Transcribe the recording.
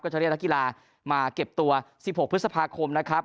จะเรียกนักกีฬามาเก็บตัว๑๖พฤษภาคมนะครับ